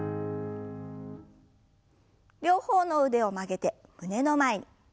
両方の腕を曲げて胸の前に。